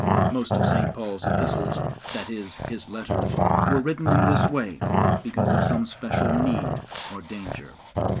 Most of St. Paul's Epistles that is, his letters were written in this way because of some special need or danger.